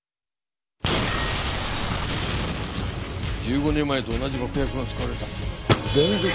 １５年前と同じ爆薬が使われたって言うのか？